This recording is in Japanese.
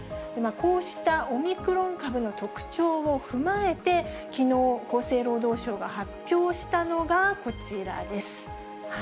こうしたオミクロン株の特徴を踏まえて、きのう、厚生労働省が発表したのがこちらです。